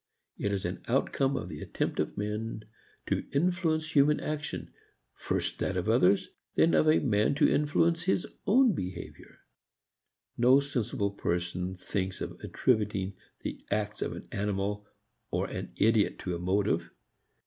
It is an outcome of the attempt of men to influence human action, first that of others, then of a man to influence his own behavior. No sensible person thinks of attributing the acts of an animal or an idiot to a motive.